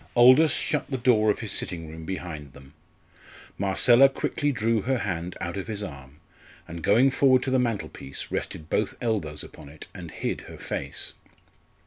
Aldous shut the door of his sitting room behind them. Marcella quickly drew her hand out of his arm, and going forward to the mantelpiece rested both elbows upon it and hid her face.